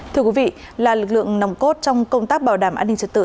thưa quý vị là lực lượng nòng cốt trong công tác bảo đảm an ninh trật tự